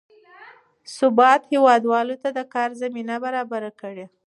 ثبات هېوادوالو ته د کار زمینه برابره کړې ده.